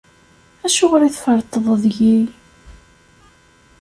Acuɣer i tferṭeḍ deg-i?